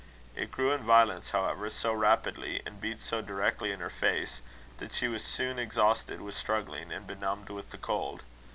It grew in violence, however, so rapidly, and beat so directly in her face, that she was soon exhausted with struggling, and benumbed with the cold.